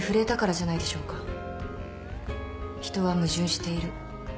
人は矛盾している。